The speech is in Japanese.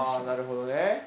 なるほどね。